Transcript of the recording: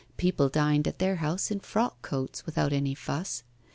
People dined at their house in frock coats, without any fuss.